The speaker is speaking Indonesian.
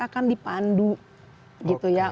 akan dipandu gitu ya